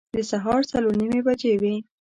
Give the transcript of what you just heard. د سهار څلور نیمې بجې وې.